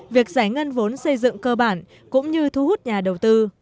việc giải ngân vốn xây dựng cơ bản cũng như thu hút nhà đầu tư